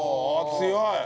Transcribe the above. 強い！